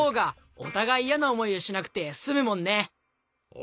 お！